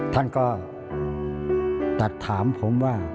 ท่านก็ตัดถามผมว่า